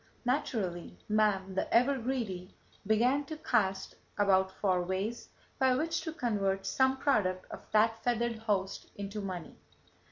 Naturally man, the ever greedy, began to cast about for ways by which to convert some product of that feathered host into money.